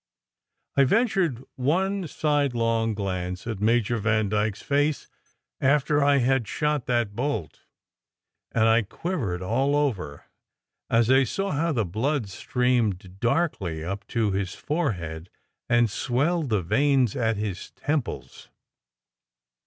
I ventured one sidelong glance at Major Vandyke s face after I had shot that bolt; and I quivered all over as I saw how the blood streamed darkly up to his forehead and swelled the veins at his temples.